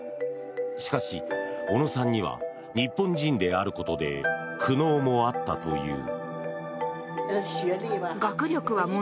しかし、小野さんには日本人であることで苦悩もあったという。